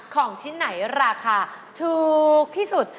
ของชิ้นไหนราคาถูกที่สุด